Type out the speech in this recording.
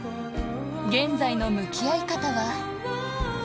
現在の向き合い方は？